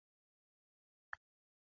Amune mechut asi kee chaik?